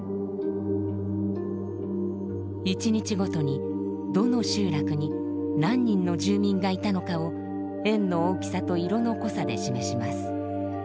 一日ごとにどの集落に何人の住民がいたのかを円の大きさと色の濃さで示します。